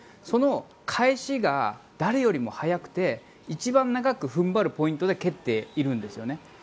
その返しが誰よりも速くて一番長く踏ん張るポイントで蹴ってるんですよね。